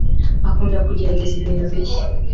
akunda kugerageza ibintu bishya.